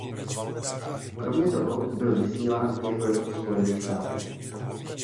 Kromě toho byl vysílán i v Spojených státech.